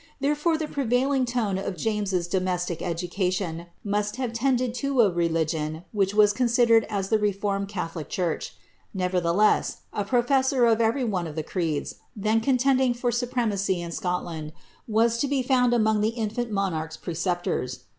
Therefore, the prevailing kme of James's domestic education must have tended to a religion which considered as the reformed catholic church. Nevertheless, a pro of every one of the creeds, then contending for supremacy in Scotland, was to be found among the infant monarch's preceptors.